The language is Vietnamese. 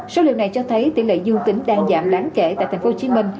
số liệu này cho thấy tỷ lệ dương tính đang giảm đáng kể tại thành phố hồ chí minh